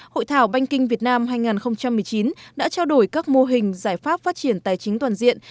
hội thảo banking việt nam hai nghìn một mươi chín đã trao đổi các mô hình giải pháp phát triển tài chính toàn diện